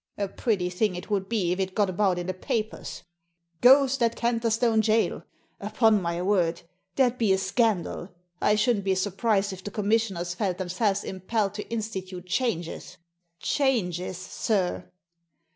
A pretty thing it would be if it got about in the papers !' Ghost at Canterstone Jail !' Upon my word ! There'd be a scandal! I shouldn't be surprised if the Com missioners felt themselves impelled to institute changes; changes, sir!